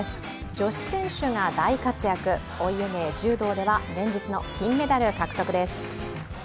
女子選手が大活躍、お家芸・柔道では連日の金メダル獲得です。